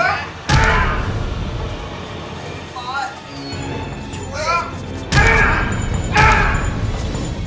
อ้าวอ้าว